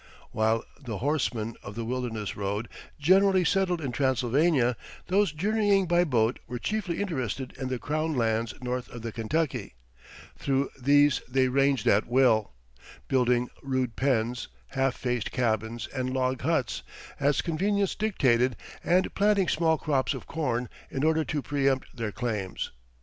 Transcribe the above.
While the horsemen of the Wilderness Road generally settled in Transylvania, those journeying by boat were chiefly interested in the crown lands north of the Kentucky; through these they ranged at will, building rude pens, half faced cabins, and log huts, as convenience dictated, and planting small crops of corn in order to preempt their claims.